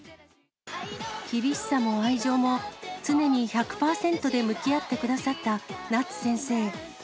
厳しさも愛情も、常に１００％で向き合ってくださった夏先生。